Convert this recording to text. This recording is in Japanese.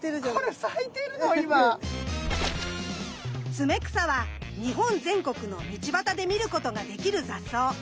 ツメクサは日本全国の道端で見ることができる雑草。